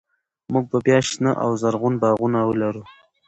موږ به بیا شنه او زرغون باغونه ولرو.